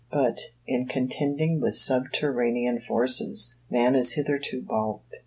But, in contending with subterranean forces, man is hitherto balked.